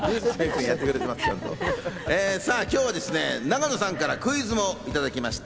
今日は永野さんからクイズもいただきました。